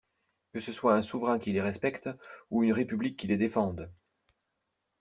Que ce soit un souverain qui les respecte, ou une République qui les défende!